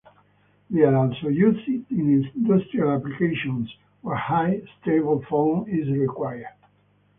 They are also used in industrial applications where high, stable foam is required.